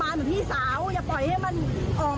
คุณผู้ชมคุณผู้ชมคุณผู้ชม